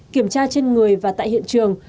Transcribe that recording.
kiểm tra trên người và tại hiện trường